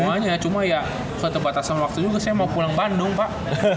semuanya cuma ya suatu batasan waktu juga saya mau pulang bandung pak